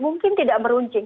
mungkin tidak meruncing